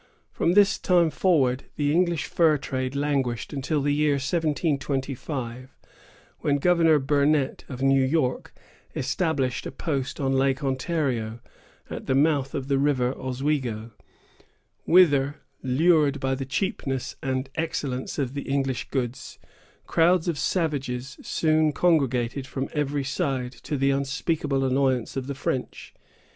From this time forward, the English fur trade languished, until the year 1725, when Governor Burnet, of New York, established a post on Lake Ontario, at the mouth of the river Oswego; whither, lured by the cheapness and excellence of the English goods, crowds of savages soon congregated from every side, to the unspeakable annoyance of the French.